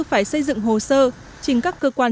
phải xây dựng hồ sơ trình các cơ quan